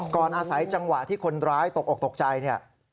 ก่อนอาศัยจังหวะที่คนร้ายตกออกตกใจ